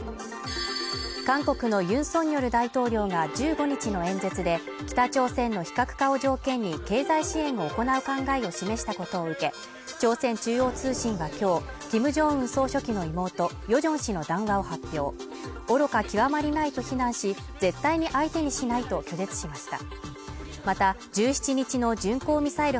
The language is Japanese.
韓国のユン・ソンニョル大統領が１５日の演説で北朝鮮の非核化を条件に経済支援を行う考えを示したことを受け朝鮮中央通信はきょうキム・ジョンウン総書記の妹・ヨジョン氏の談話を発表、愚か極まりないと非難し絶対に相手にしないと拒絶しました